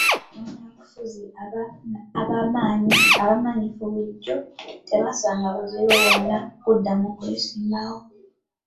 Bannabyabufuzi abamanyifu bulijjo tebasanga buzibu bwonna kuddamu kwesimbawo.